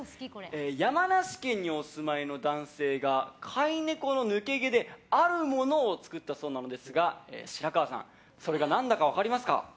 山梨県にお住まいの男性が飼い猫の抜け毛であるものを作ったそうなんですが白河さんそれが何だか分かりますか？